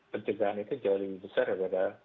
pencegahan itu jauh lebih besar daripada